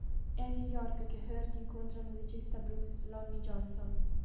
È a New York che Hurt incontra il musicista blues Lonnie Johnson.